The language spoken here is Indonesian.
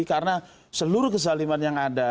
karena seluruh kezaliman yang ada